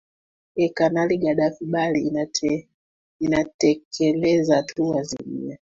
ee kanali gaddafi bali inatetekeleza tu azimio